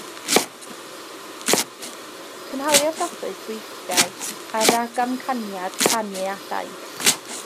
Cynhaliodd Roberts weithdai ar ragamcaniad canu a llais.